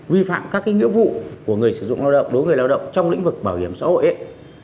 vi phạm các nghĩa vụ của người sử dụng lao động đối với người lao động trong lĩnh vực bảo hiểm xã hội